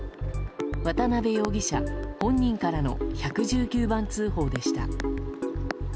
渡辺容疑者、本人からの１１９番通報でした。